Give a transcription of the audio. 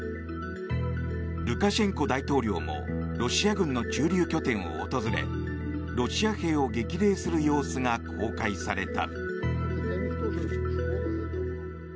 ルカシェンコ大統領もロシア軍の駐留拠点を訪れロシア兵を激励する様子が公開された。